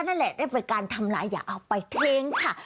นั่นแหละได้เป็นการทำลายอย่าเอาไปทิ้งค่ะ